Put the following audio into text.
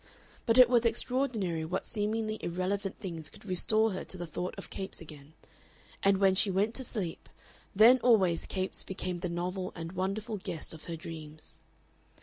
But it was extraordinary what seemingly irrelevant things could restore her to the thought of Capes again. And when she went to sleep, then always Capes became the novel and wonderful guest of her dreams.